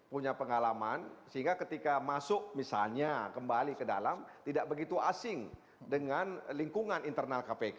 punya pengalaman sehingga ketika masuk misalnya kembali ke dalam tidak begitu asing dengan lingkungan internal kpk